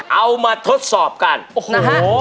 เอามาทดสอบกันโอ้โห